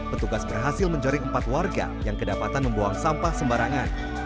petugas berhasil menjaring empat warga yang kedapatan membuang sampah sembarangan